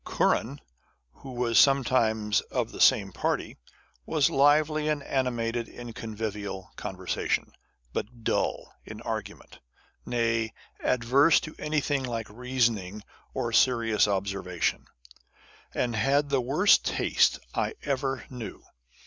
Curran, who was some times of the same party, was lively and animated in con vivial conversation, but dull in argument ; nay, averse to anything like reasoning or serious observation, and had the worst taste I ever knew.